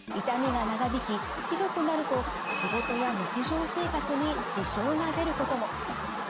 痛みが長引きひどくなると仕事や日常生活に支障が出ることも。